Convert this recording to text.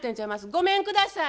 ごめんください。